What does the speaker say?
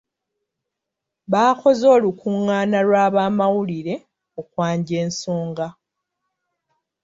Baakoze olukungaana lw'abamawulire okwanja ensonga.